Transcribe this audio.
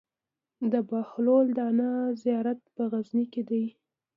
د بهلول دانا زيارت په غزنی کی دی